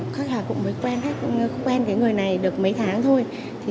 khách hàng cũng mới quen với người này được mấy tháng thôi